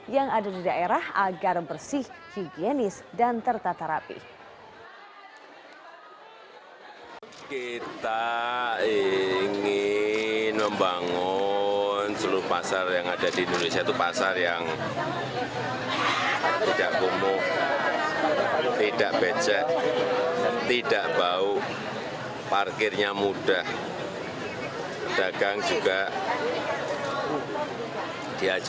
yang ada di daerah agar bersih higienis dan tertata rapi